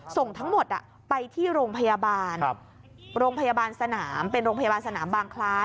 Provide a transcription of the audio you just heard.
ส่งทั้งหมดไปที่โรงพยาบาลโรงพยาบาลสนามเป็นโรงพยาบาลสนามบางคล้าย